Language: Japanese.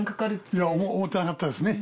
いや思ってなかったですね。